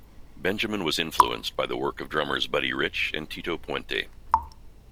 Benjamin was influenced by the work of drummers Buddy Rich and Tito Puente.